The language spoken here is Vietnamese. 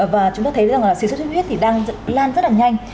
và chúng ta thấy rằng là sử dụng thuyết huyết thì đang lan rất là nhanh